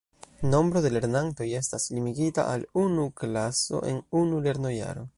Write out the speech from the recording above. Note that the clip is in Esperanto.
Nombro de lernantoj estas limigita al unu klaso en unu lernojaro.